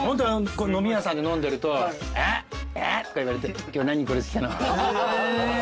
飲み屋さんで飲んでると「あっ」とか言われて「今日何人殺してきたの？」